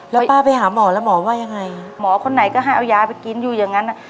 แล้วป้าไปหาหมอแล้วหมอว่ายังไงหมอคนไหนก็ให้เอายาไปกินอยู่อย่างนั้น